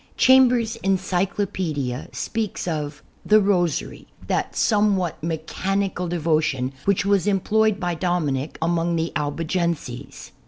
Chambers's "Encyclopedia" speaks of "The Rosary, that somewhat mechanical devotion, which was employed by Dominic among the Albigenses."